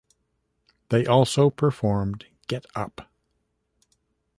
They also performed Get Up!